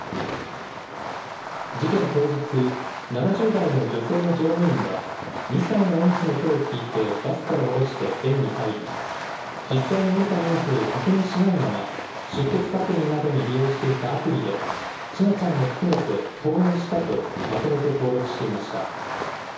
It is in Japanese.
事件当日、７０代の女性の乗務員は、２歳の園児の手を引いてバスから降ろして園に入り、実際に降りた人数を確認しないまま、出欠確認などに利用していたアプリで千奈ちゃんも含めて登園したとまとめて登録していました。